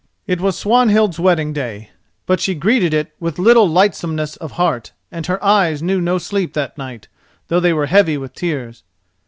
It was Swanhild's wedding day; but she greeted it with little lightsomeness of heart, and her eyes knew no sleep that night, though they were heavy with tears.